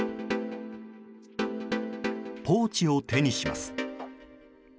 ポーチを手にします。